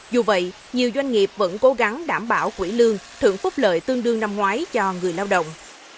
dù vậy nhiều doanh nghiệp vẫn cố gắng đảm bảo quỹ lương thưởng phúc lợi tương đương năm ngoái cho người lao động